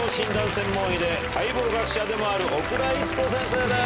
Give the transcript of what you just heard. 専門医で解剖学者でもある奥田逸子先生です。